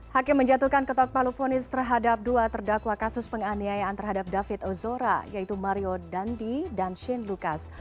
hakim menjatuhkan ketok palu fonis terhadap dua terdakwa kasus penganiayaan terhadap david ozora yaitu mario dandi dan shane lucas